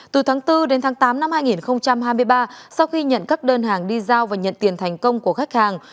từ tháng bốn đến tháng tám năm hai nghìn hai mươi ba sau khi nhận các đơn hàng đi giao và nhận tiền thành công của khách hàng